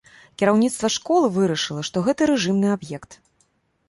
Кіраўніцтва школы вырашыла, што гэта рэжымны аб'ект.